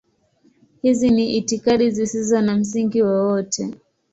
Hizi ni itikadi zisizo na msingi wowote.